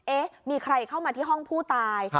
เอ๊ะมีใครเข้ามาที่ห้องผู้ตาย